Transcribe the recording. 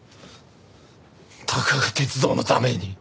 たかが鉄道のために。